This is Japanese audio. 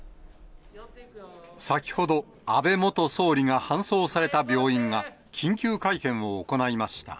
先ほど、安倍元総理が搬送された病院が、緊急会見を行いました。